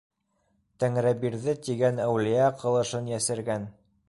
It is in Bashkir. Тәңребирҙе тигән әүлиә ҡылышын йәсергән.